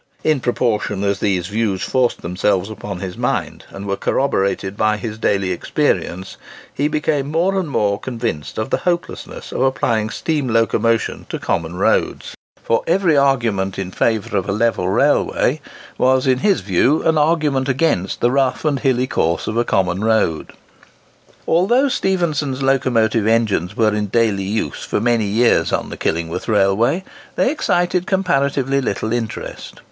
In proportion as these views forced themselves upon his mind and were corroborated by his daily experience, he became more and more convinced of the hopelessness of applying steam locomotion to common roads; for every argument in favour of a level railway was, in his view, an argument against the rough and hilly course of a common road. Although Stephenson's locomotive engines were in daily use for many years on the Killingworth Railway, they excited comparatively little interest.